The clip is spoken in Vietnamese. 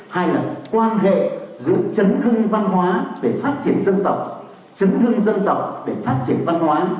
hai là quan hệ giữa chấn hưng văn hóa để phát triển dân tộc chấn hưng dân tộc để phát triển văn hóa